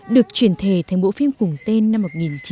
được chuyển thể thành bộ phim cùng tên năm một nghìn chín trăm chín mươi